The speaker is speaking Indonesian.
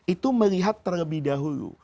itu melihat terlebih dahulu